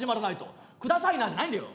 「下さいな」じゃないんだよ。